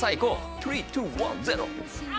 トゥリーツーワンゼロ！